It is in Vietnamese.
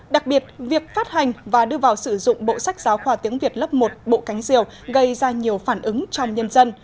đặc biệt việc phát hành và đưa vào sử dụng bộ sách giáo khoa tiếng việt lớp một bộ cánh diều gây ra nhiều phản ứng trong nhân dân